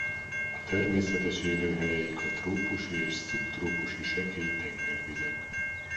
A természetes élőhelyeik a trópusi és szubtrópusi sekély tengervizek.